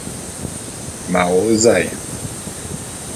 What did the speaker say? M'a wô'ô zae.